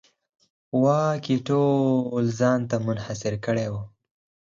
واک یې ټول ځان ته منحصر کړی و.